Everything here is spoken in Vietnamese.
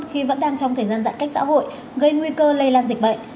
khi vẫn đang trong thời gian giãn cách xã hội gây nguy cơ lây lan dịch bệnh